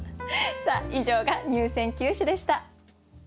さあ以上が入選九首でした。